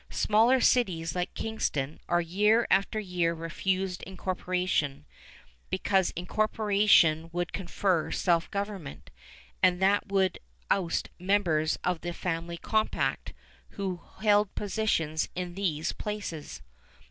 Smaller cities like Kingston are year after year refused incorporation, because incorporation would confer self government, and that would oust members of the "family compact" who held positions in these places.